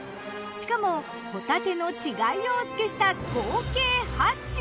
しかもほたての稚貝をお付けした合計８品。